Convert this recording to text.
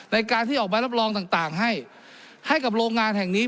ในการที่ออกมารับรองต่างให้ให้กับโรงงานแห่งนี้